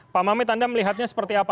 pak mamit anda melihatnya seperti apa